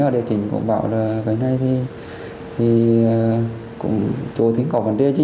và địa chính cũng bảo là cái này thì cũng tôi thấy có vấn đề chứ